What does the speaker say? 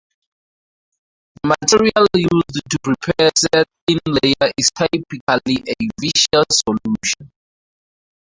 The material used to prepare said thin layer is typically a viscous solution.